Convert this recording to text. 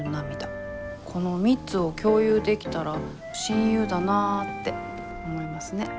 この３つを共有できたら「親友だなぁ」って思いますね。